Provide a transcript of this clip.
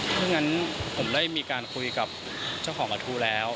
ถ้างั้นผมได้มีการคุยกับเจ้าของกระทู้แล้ว